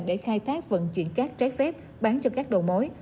để khai thác vận chuyển cát trái phép bán cho các đầu mối